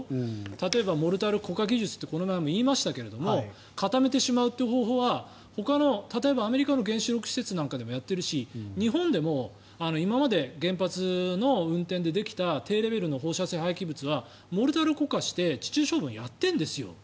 例えばモルタル固化技術ってこの前も言いましたけど固めてしまうという方法はほかの例えばアメリカの原子力施設なんかでもやっているし、日本でも今まで原発の運転でできた低レベルの放射線廃棄物はモルタル固化して地中処分をやっているんですよ。